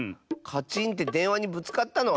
カチーンってでんわにぶつかったの？